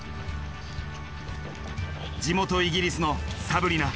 地元イギリスのサブリナ。